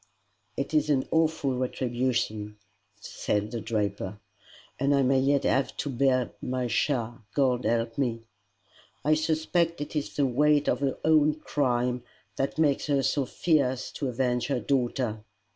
"It is an awful retribution," said the draper, "and I may yet have to bear my share God help me!" "I suspect it is the weight of her own crime that makes her so fierce to avenge her daughter.